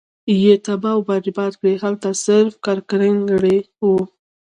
ئي تباه او برباد کړې!! هلته صرف کرکنړي او